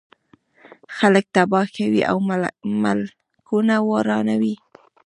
خلک تباه کوي او ملکونه ورانوي.